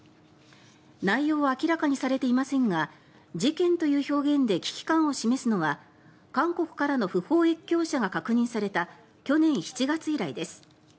内容は明らかにされていませんが事件という表現で危機感を示すのは韓国からの不法越境者が確認された去年７月以来です。